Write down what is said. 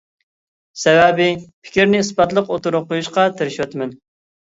سەۋەبى، پىكىرنى ئىسپاتلىق ئوتتۇرىغا قويۇشقا تىرىشىۋاتىمەن.